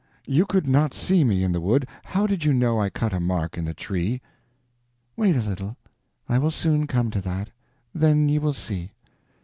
You could not see me in the wood; how did you know I cut a mark in the tree?" "Wait a little; I will soon come to that; then you will see."